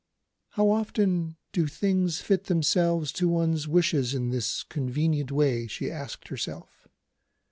"How often do things fit themselves to one's wishes in this convenient way?" she asked herself.